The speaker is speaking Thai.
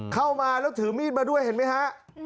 เข้ามาแล้วถือมีดมาด้วยเห็นไหมฮะ